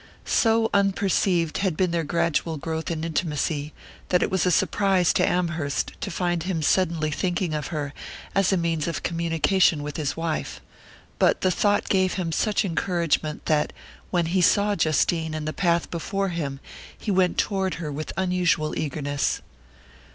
So unperceived had been their gradual growth in intimacy that it was a surprise to Amherst to find himself suddenly thinking of her as a means of communication with his wife; but the thought gave him such encouragement that, when he saw Justine in the path before him he went toward her with unusual eagerness.